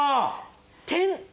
点！